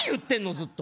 ずっと。